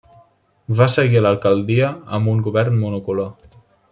Va seguir a l'alcaldia amb un govern monocolor.